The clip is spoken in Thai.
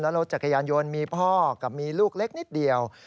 รถจักรยานยนต์มีพ่อกับมีลูกเล็กนิดเดียว